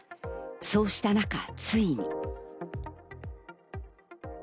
そうした中、ついに。